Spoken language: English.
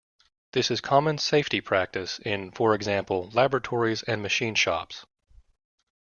This is common safety practice in, for example, laboratories and machine shops.